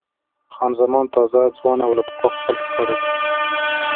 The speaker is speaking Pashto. خان زمان تازه، ځوانه او له پخوا ښکلې ښکارېده.